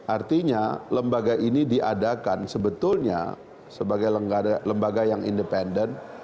artinya lembaga ini diadakan sebetulnya sebagai lembaga yang independen